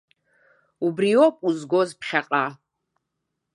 Убриоуп узгоз ԥхьаҟа.